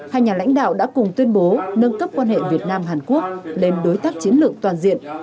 hai nhà lãnh đạo đã cùng tuyên bố nâng cấp quan hệ việt nam hàn quốc lên đối tác chiến lược toàn diện